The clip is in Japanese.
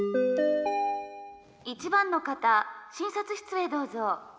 「１番の方診察室へどうぞ」。